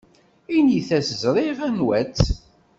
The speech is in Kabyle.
Init-as ẓriɣ anwa-tt.